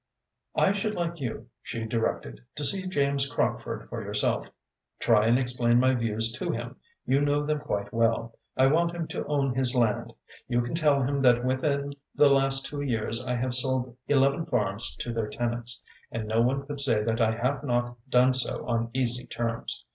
"I should like you," she directed, "to see James Crockford for yourself. Try and explain my views to him you know them quite well. I want him to own his land. You can tell him that within the last two years I have sold eleven farms to their tenants, and no one could say that I have not done so on easy terms.